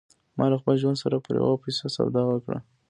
ما له خپل ژوند سره پر يوه پيسه سودا وکړه.